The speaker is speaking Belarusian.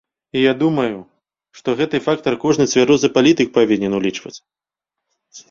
І я думаю, што гэты фактар кожны цвярозы палітык павінен улічваць.